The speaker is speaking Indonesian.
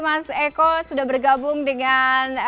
mas eko sudah bergabung dengan